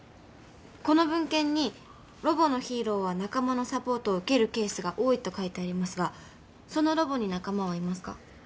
この文献にロボのヒーローは仲間のサポートを受けるケースが多いと書いてありますがそのロボに仲間はいますか？